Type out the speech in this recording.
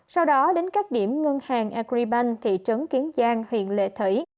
sau đó đến các điểm ngân hàng agribank thị trấn kiến giang huyện lệ thủy